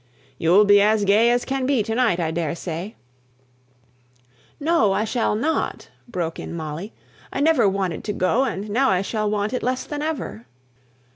"You'll be as gay as can be to night, I daresay " "No, I shall not," broke in Molly. "I never wanted to go, and now I shall want it less than ever."